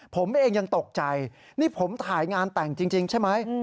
ผมเองยังตกใจนี่ผมถ่ายงานแต่งจริงใช่ไหม